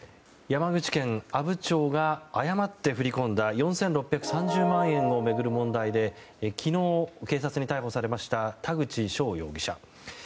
山口県阿武町が誤って振り込んだ４６３０万円を巡る問題で昨日、警察に逮捕されました田口翔容疑者。